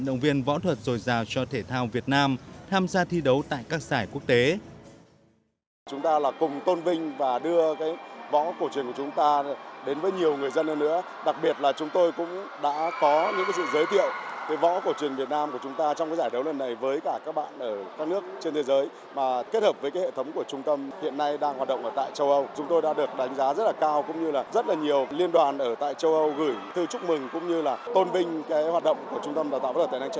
học võ cổ truyền hiện nay đang hoạt động ở tại châu âu chúng tôi đã được đánh giá rất là cao cũng như là rất là nhiều liên đoàn ở tại châu âu gửi thư chúc mừng cũng như là tôn vinh hoạt động của trung tâm đào tạo và tài năng trẻ việt nam